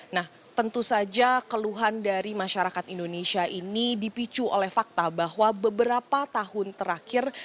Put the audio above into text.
nah tentu saja keluhan dari masyarakat indonesia ini dipicu oleh fakta bahwa beberapa tahun terakhir